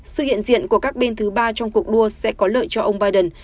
sự hiện diện của các bên thứ ba trong cuộc đua sẽ có lợi cho ông biden